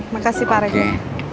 makasih pak regar